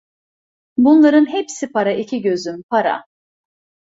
Bunların hepsi para, iki gözüm, para!